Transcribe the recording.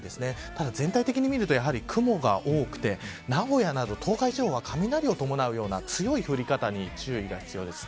ただ全体的に見るとやはり雲が多くて名古屋など東海地方は雷を伴うような強い降り方に注意が必要です。